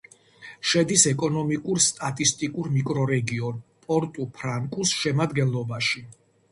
შედის ეკონომიკურ-სტატისტიკურ მიკრორეგიონ პორტუ-ფრანკუს შემადგენლობაში.